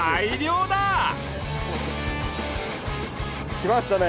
来ましたね！